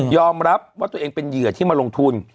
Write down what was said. รับว่าตัวเองเป็นเหยื่อที่มาลงทุน